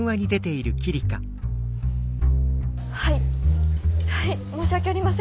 はいはい申し訳ありません！